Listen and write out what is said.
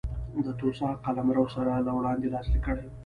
د توسا قلمرو سره له وړاندې لاسلیک کړی و.